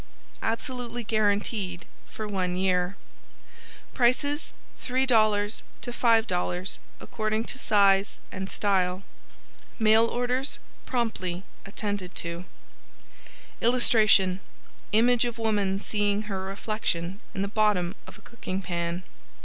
Absolutely guaranteed for one year. Prices, $3.00 to $5.00 according to size and style. Mail Orders promptly attended to. [Illustration: Image of woman seeing her reflection in the bottom of a cooking pan.